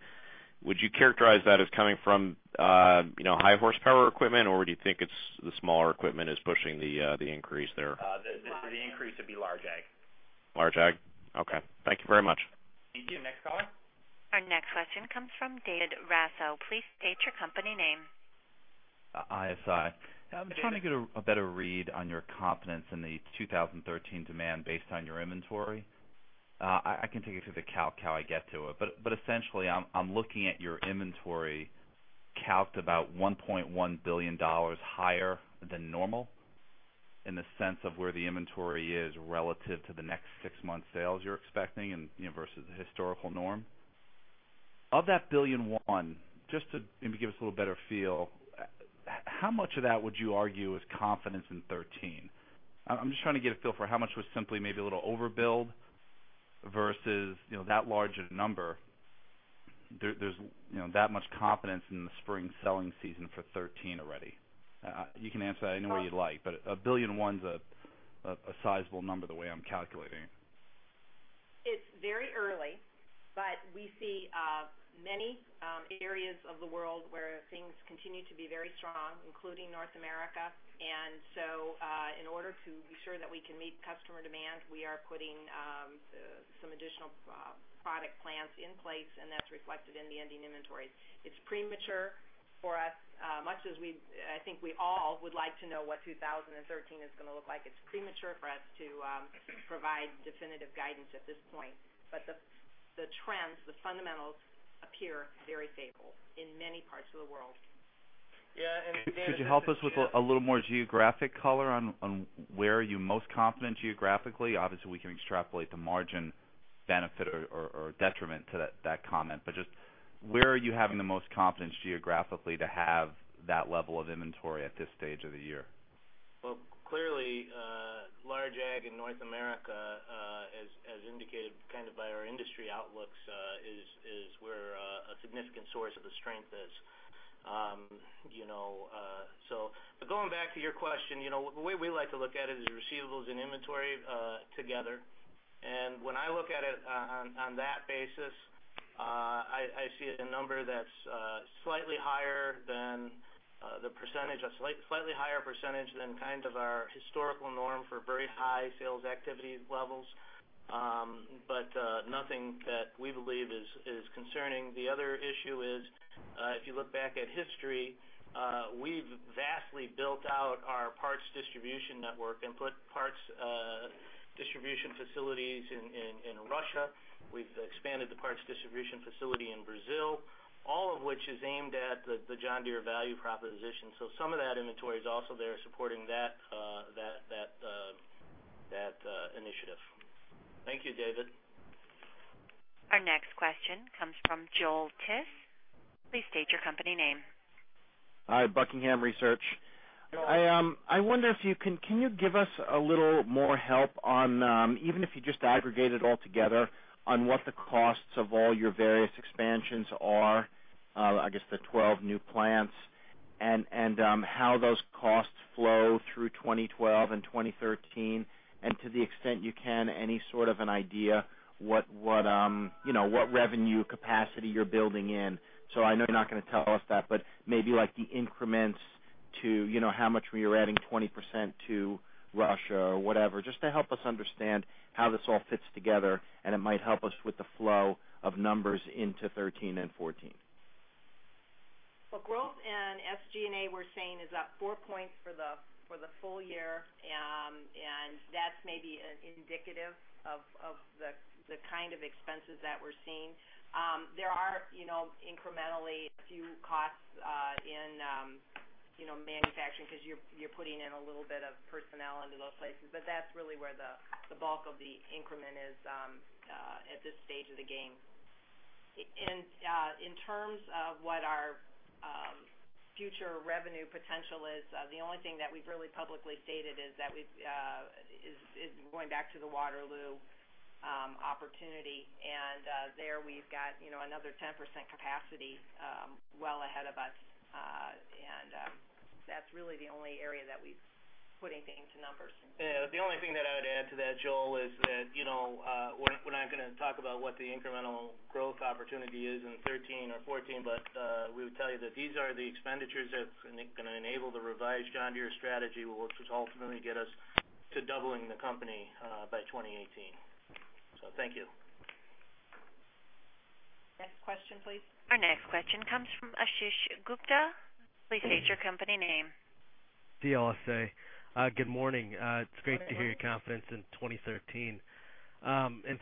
would you characterize that as coming from high horsepower equipment, or do you think it's the smaller equipment is pushing the increase there? The increase would be large ag. Large ag? Okay. Thank you very much. Thank you. Next caller. Our next question comes from David Raso. Please state your company name. ISI. David. I'm trying to get a better read on your confidence in the 2013 demand based on your inventory. I can take you through the calc how I get to it. Essentially, I'm looking at your inventory calc'd about $1.1 billion higher than normal in the sense of where the inventory is relative to the next six months' sales you're expecting versus the historical norm. Of that $1.1 billion, just to maybe give us a little better feel, how much of that would you argue is confidence in 2013? I'm just trying to get a feel for how much was simply maybe a little overbuild versus that large a number. There's that much confidence in the spring selling season for 2013 already. You can answer that any way you'd like, but a $1.1 billion is a sizable number the way I'm calculating. It is very early, we see many areas of the world where things continue to be very strong, including North America. In order to be sure that we can meet customer demand, we are putting some additional product plans in place, and that is reflected in the ending inventories. It is premature for us. Much as we, I think we all would like to know what 2013 is going to look like, it is premature for us to provide definitive guidance at this point. The trends, the fundamentals appear very stable in many parts of the world. Yeah, David. Could you help us with a little more geographic color on where are you most confident geographically? Obviously, we can extrapolate the margin benefit or detriment to that comment, just where are you having the most confidence geographically to have that level of inventory at this stage of the year? Well, clearly, large ag in North America, as indicated by our industry outlooks, is where a significant source of the strength is. Going back to your question, the way we like to look at it is receivables and inventory together. When I look at it on that basis, I see a number that's slightly higher than the percentage, a slightly higher percentage than our historical norm for very high sales activity levels. Nothing that we believe is concerning. The other issue is, if you look back at history, we've vastly built out our parts distribution network and put parts distribution facilities in Russia. We've expanded the parts distribution facility in Brazil, all of which is aimed at the John Deere value proposition. Some of that inventory is also there supporting that initiative. Thank you, David. Our next question comes from Joel Tiss. Please state your company name. Hi, Buckingham Research. I wonder if you can give us a little more help on, even if you just aggregate it all together, on what the costs of all your various expansions are, I guess the 12 new plants, and how those costs flow through 2012 and 2013. To the extent you can, any sort of an idea what revenue capacity you're building in. I know you're not going to tell us that, but maybe like the increments to how much we are adding 20% to Russia or whatever, just to help us understand how this all fits together, and it might help us with the flow of numbers into 2013 and 2014. Well, growth and SG&A we're saying is up four points for the full year. That's maybe indicative of the kind of expenses that we're seeing. There are incrementally a few costs in manufacturing because you're putting in a little bit of personnel into those places. That's really where the bulk of the increment is at this stage of the game. In terms of what our future revenue potential is, the only thing that we've really publicly stated is going back to the Waterloo opportunity. There we've got another 10% capacity well ahead of us. That's really the only area that we've put anything into numbers. Yeah. The only thing that I would add to that, Joel, is that we're not going to talk about what the incremental growth opportunity is in 2013 or 2014. We would tell you that these are the expenditures that are going to enable the revised John Deere strategy, which will ultimately get us to doubling the company by 2018. Thank you. Next question, please. Our next question comes from Ashish Gupta. Please state your company name. The OSSE. Good morning. It's great to hear your confidence in 2013.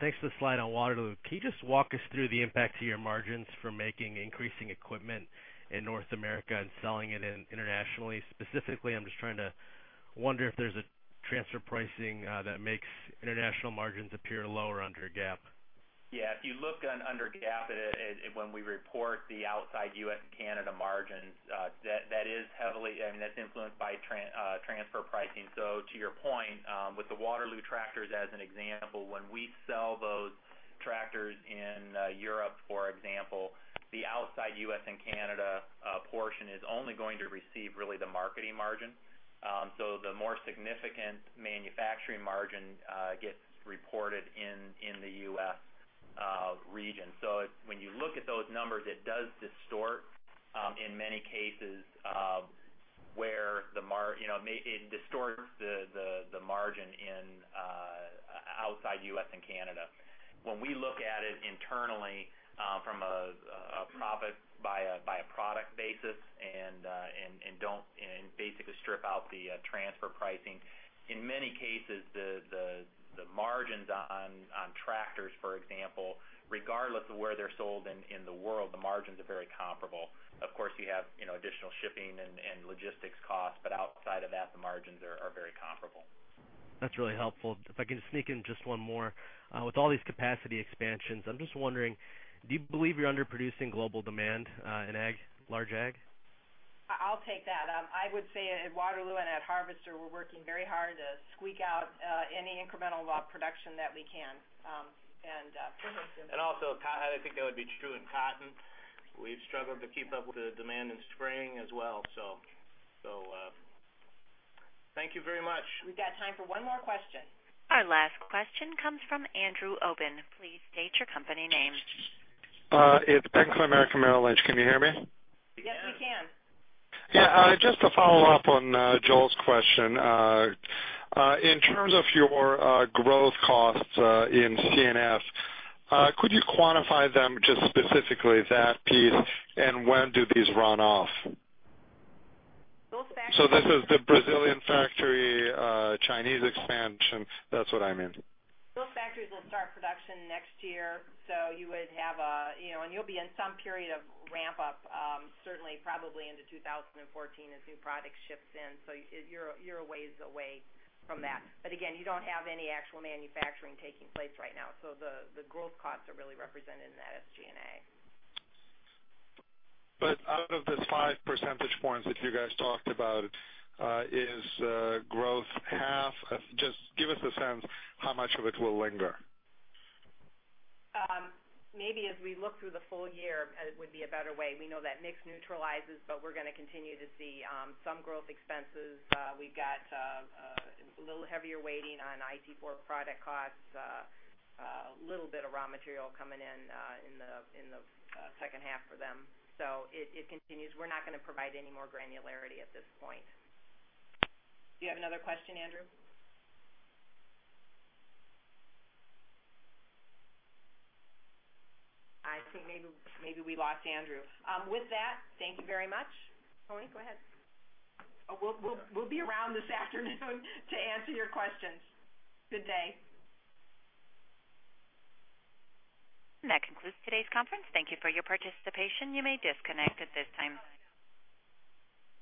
Thanks for the slide on Waterloo. Can you just walk us through the impact to your margins for making increasing equipment in North America and selling it internationally? Specifically, I'm just trying to wonder if there's a transfer pricing that makes international margins appear lower under GAAP. Yeah. If you look under GAAP at it, when we report the outside U.S. and Canada margins, that is heavily influenced by transfer pricing. To your point, with the Waterloo tractors as an example, when we sell those tractors in Europe, for example, the outside U.S. and Canada portion is only going to receive really the marketing margin. The more significant manufacturing margin gets reported in the U.S. region. When you look at those numbers, it does distort in many cases where it distorts the margin in outside U.S. and Canada. When we look at it internally from a profit by a product basis and basically strip out the transfer pricing, in many cases, the margins on tractors, for example, regardless of where they're sold in the world, the margins are very comparable. Of course, you have additional shipping and logistics costs, but outside of that, the margins are very comparable. That's really helpful. If I can sneak in just one more. With all these capacity expansions, I'm just wondering, do you believe you're underproducing global demand in large ag? I'll take that. I would say at Waterloo and at Harvester, we're working very hard to squeak out any incremental production that we can. Also, I think that would be true in cotton. We've struggled to keep up with the demand in spraying as well. Thank you very much. We've got time for one more question. Our last question comes from Andrew Oben. Please state your company name. It's Bank of America Merrill Lynch. Can you hear me? Yes, we can. Yeah. Just to follow up on Joel's question. In terms of your growth costs in C&F, could you quantify them just specifically that piece, and when do these run off? Those factories- This is the Brazilian factory, Chinese expansion. That's what I mean. Those factories will start production next year, and you'll be in some period of ramp-up, certainly, probably into 2014 as new product ships in. You're a ways away from that. Again, you don't have any actual manufacturing taking place right now, so the growth costs are really represented in that SG&A. Out of the five percentage points that you guys talked about, is growth? Just give us a sense how much of it will linger. Maybe as we look through the full year, it would be a better way. We know that mix neutralizes, but we're going to continue to see some growth expenses. We've got a little heavier weighting on IT4 product costs, a little bit of raw material coming in the second half for them. It continues. We're not going to provide any more granularity at this point. Do you have another question, Andrew? I think maybe we lost Andrew. With that, thank you very much. Tony, go ahead. We'll be around this afternoon to answer your questions. Good day. That concludes today's conference. Thank you for your participation. You may disconnect at this time.